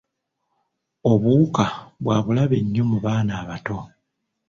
Obuwuka bwa bulabe nnyo mu baana abato.